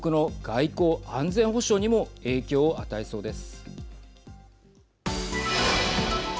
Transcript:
その行方は各国の外交・安全保障にも影響を与えそうです。